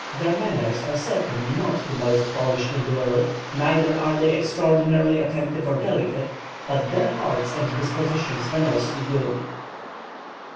Their manners are certainly not the most polished in the world, neither are they extraordinarily attentive or delicate, but their hearts and dispositions are mostly good.